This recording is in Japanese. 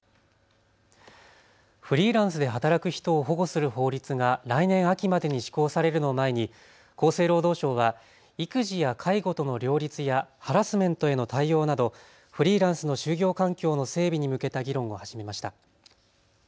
フリーランスで働く人を保護する法律が来年秋までに施行されるのを前に厚生労働省は育児や介護との両立やハラスメントへの対応などフリーランスの就業環境の整備に向けた議論を始めました。